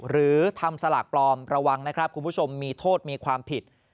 หรือทำสลากปลอมระวังนะครับคุณผู้ชมมีโทษมีความผิด